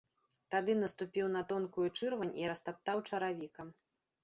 Тады наступіў на тонкую чырвань і растаптаў чаравікам.